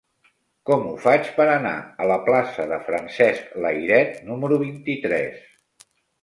Com ho faig per anar a la plaça de Francesc Layret número vint-i-tres?